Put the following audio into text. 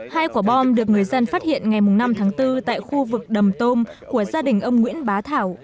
hai quả bom được người dân phát hiện ngày năm tháng bốn tại khu vực đầm tôm của gia đình ông nguyễn bá thảo